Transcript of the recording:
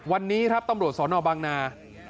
วันนี้ครับตำรวจสนบางนา